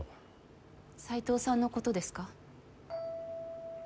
斎藤さんのことですか？